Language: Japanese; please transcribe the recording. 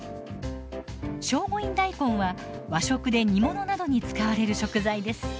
聖護院大根は和食で煮物などに使われる食材です。